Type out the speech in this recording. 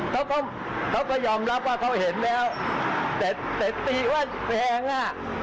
เขาก็เขาก็ยอมรับว่าเขาเห็นแล้วแต่แต่ตีว่าแทงอ่ะ